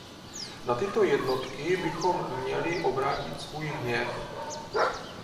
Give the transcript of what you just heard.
Na tyto jednotky bychom měli obrátit svůj hněv.